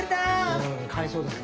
うん海藻ですね。